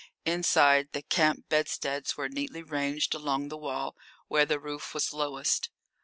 Inside, the camp bedsteads were neatly ranged along the wall where the roof was lowest.